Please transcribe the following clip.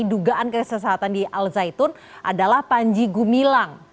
dugaan kesesatan di al zaitun adalah panji gumila